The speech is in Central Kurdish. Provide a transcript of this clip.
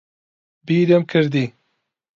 بیرم کردی